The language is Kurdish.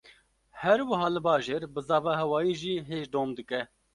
Her wiha li bajêr, bizava hewayî jî hêj dom dike